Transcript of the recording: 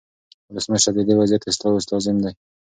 ولسمشره، د دې وضعیت اصلاح اوس لازم دی.